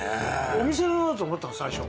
お店のだと思ったの最初。